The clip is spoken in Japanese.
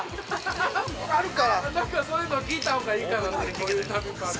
◆なんかそういうの聞いたほうがいいかなって、こういう旅番組。